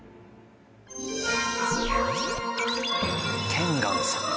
天願さん。